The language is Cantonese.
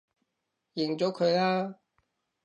認咗佢啦